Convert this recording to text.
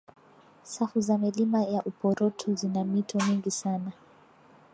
safu za milima ya uporoto zina mito mingi sana